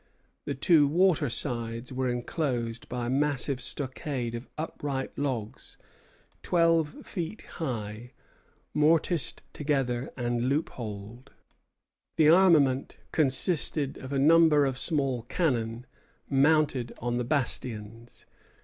The two water sides were enclosed by a massive stockade of upright logs, twelve feet high, mortised together and loopholed. The armament consisted of a number of small cannon mounted on the bastions.